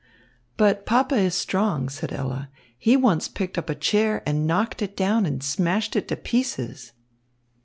"But papa is strong," said Ella. "He once picked up a chair and knocked it down and smashed it to pieces."